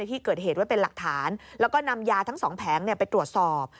ที่เกิดเหตุไว้เป็นหลักฐานแล้วก็นำยาทั้งสองแผงไปตรวจสอบ